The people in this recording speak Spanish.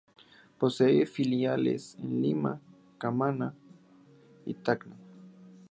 Posee filiales en Lima, Camaná y Tacna.